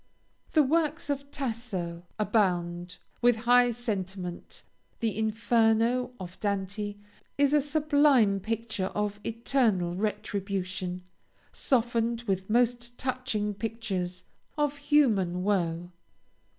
The works of Tasso abound with high sentiment; the "Inferno" of Dante is a sublime picture of eternal retribution, softened with most touching pictures of human woe.